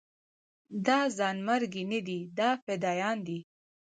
دا ځانمرګي نه دي دا فدايان دي.